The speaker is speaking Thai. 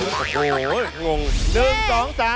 อ้อแม่พี่น้อง